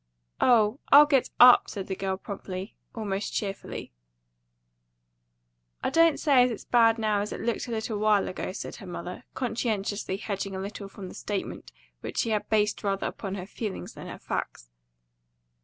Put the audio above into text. "Oh, I'll get UP!" said the girl promptly, almost cheerfully. "I don't say it's as bad now as it looked a little while ago," said her mother, conscientiously hedging a little from the statement which she had based rather upon her feelings than her facts.